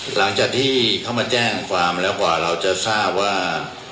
หลังจากที่เขามาแจ้งความแล้วกว่าเราจะทราบว่า